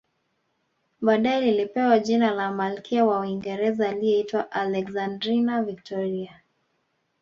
Baadae lilipewa jina la malkia wa Uingereza aliyeitwa Alexandrina Victoria